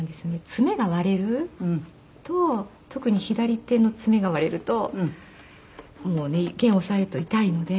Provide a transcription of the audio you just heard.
爪が割れると特に左手の爪が割れるともうね弦押さえると痛いので。